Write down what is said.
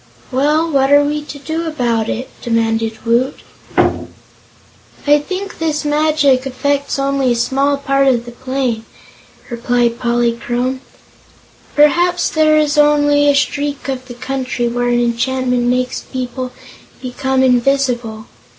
"Well, what are we to do about it?" demanded Woot. "I think this magic affects only a small part of the plain," replied Polychrome; "perhaps there is only a streak of the country where an enchantment makes people become invisible.